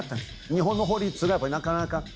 日本の法律がなかなか。